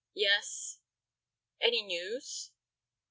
"Yes." "Any news?"